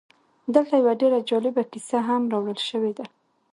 دلته یوه ډېره جالبه کیسه هم راوړل شوې ده